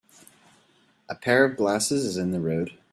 A pair of glasses is in the road.